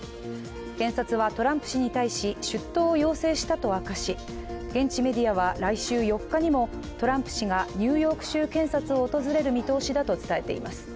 検察はトランプ氏に対し、出頭を要請したと明かし現地メディアは来週４日にもトランプ氏がニューヨーク州検察を訪れる見通しだと伝えています。